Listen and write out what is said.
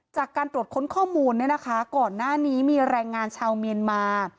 จากการตรวจค้นข้อมูลเนี่ยนะคะก่อนหน้านี้มีแรงงานชาวเมียนมา